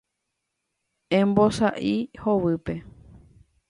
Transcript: Embosa'y hovýpe.